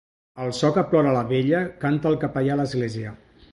Al so que plora la vella canta el capellà a l'església.